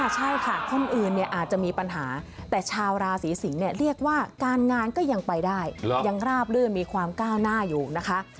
ใช่ค่ะคนอื่นอาจจะมีปัญหาแต่ชาวราศีสิงศ์เรียกว่าการงานก็ยังไปได้ยังราบลื่นมีความก้าวหน้าอยู่นะคะ